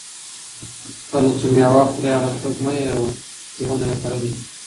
کله چې مېوه خورې، هغه څوک مه هېروه چې ونه یې کرلې.